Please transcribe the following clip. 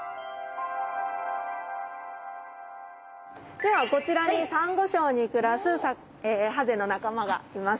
ではこちらにサンゴ礁に暮らすハゼの仲間がいます。